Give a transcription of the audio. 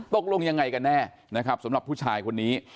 ตกลงยังไงกันแน่นะครับสำหรับผู้ชายคนนี้